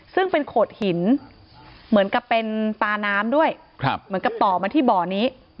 ซึ่งเป็นโขดหินเหมือนกับเป็นตาน้ำด้วยเหมือนกับต่อมาที่บ่อนี้